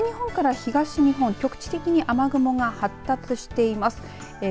また、西日本から東日本局地的に雨雲が発達しています。